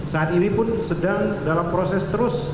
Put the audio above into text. saat ini pun sedang dalam proses terus